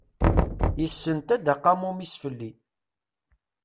Yessenta-d aqamum-is fell-i.